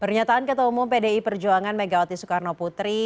pernyataan ketua umum pdi perjuangan megawati soekarno putri